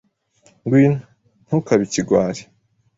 Ngwino, ntukabe ikigwari!